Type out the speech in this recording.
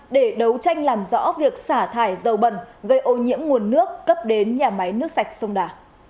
để đấu tranh làm rõ việc xả thải dầu bẩn gây ô nhiễm nguồn nước cấp đến nhà máy nước sạch sông đà